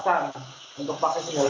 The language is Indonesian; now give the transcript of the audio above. dan itu malaysia gitu